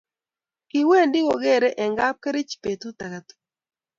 kiwendi kogeerei Eng' kapkerich betut age tugul